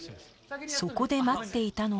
そこで待っていたのは